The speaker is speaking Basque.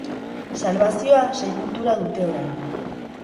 Salbazioa sei puntura dute orain.